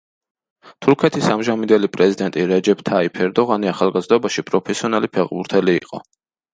თურქეთის ამჟამინდელი პრეზიდენტი რეჯეფ თაიფ ერდოღანი ახალგაზრდობაში პროფესიონალი ფეხბურთელი იყო.